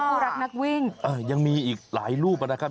รักนักวิ่งยังมีอีกหลายรูปนะครับ